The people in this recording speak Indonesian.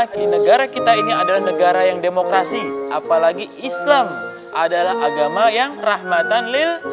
karena kita ini adalah negara yang demokrasi apalagi islam adalah agama yang rahmatan lil